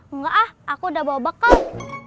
enggak ah aku udah bawa bekal